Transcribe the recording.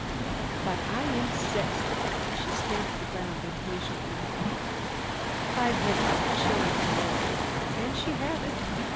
"But I insist!" She stamped the ground impatiently. Five minutes of chilling delay, and she had it.